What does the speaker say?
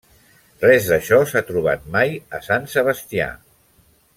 Res d'això s'ha trobat mai a Sant Sebastià.